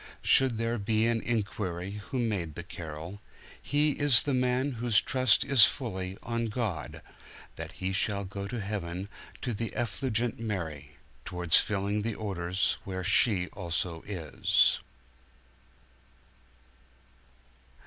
Should there be an inquiry who made the carol, He is a man whose trust is fully on God, That he shall go to heaven to the effulgent Mary, Towards filling the orders where she also is.